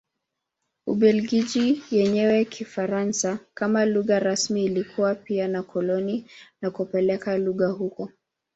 Ubelgiji yenye Kifaransa kama lugha rasmi ilikuwa pia na koloni na kupeleka lugha huko.